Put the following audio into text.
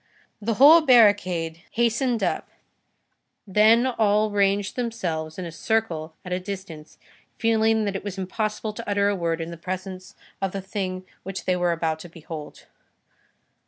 The whole barricade hastened up, then all ranged themselves in a circle at a distance, feeling that it was impossible to utter a word in the presence of the thing which they were about to behold.